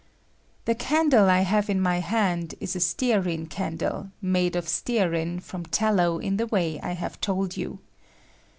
The candle I have in ^^^Bjiand ia a Bteario candle, made of Btearin from ^^^^ tallow in the way I have told you.